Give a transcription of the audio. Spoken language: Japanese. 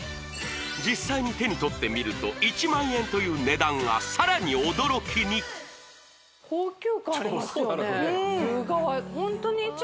実際に手に取ってみると１万円という値段がさらに驚きに牛革セットで？